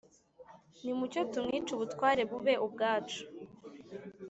nimucyo tumwice ubutware bube ubwacu